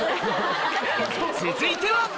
続いては！